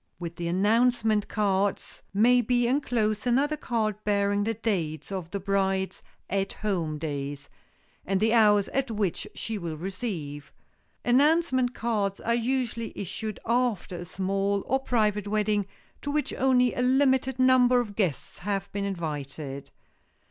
With the announcement cards may be enclosed another card bearing the dates of the bride's "At Home" days, and the hours at which she will receive. Announcement cards are usually issued after a small or private wedding to which only a limited number of guests have been invited.